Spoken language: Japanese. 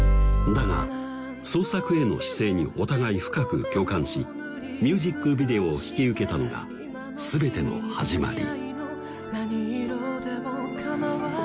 だが創作への姿勢にお互い深く共感しミュージックビデオを引き受けたのが全ての始まり